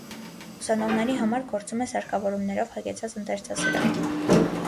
Ուսանողների համար գործում է սարքավորումներով հագեցած ընթերցասրահ։